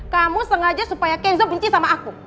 kamu sengaja supaya kenzo benci sama aku